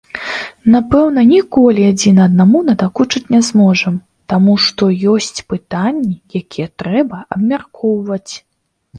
Напэўна, ніколі адзін аднаму надакучыць не зможам, таму што ёсць пытанні, якія трэба абмяркоўваць.